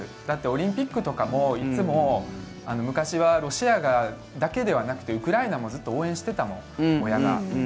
だってオリンピックとかもいつも昔はロシアだけではなくてウクライナもずっと応援してたの親が。